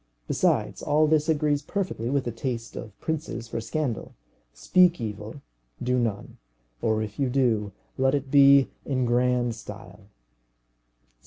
Besides, all this agrees perfectly with the taste of princes for scandal. Speak evil, do none; or if you do, let it be in grand style.